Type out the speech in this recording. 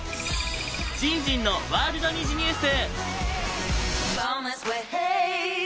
じんじんのワールド虹ニュース！